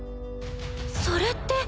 それって。